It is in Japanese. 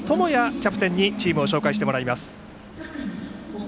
キャプテンにチームを紹介してもらいます。